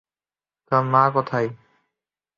তোমার মা কোথায়?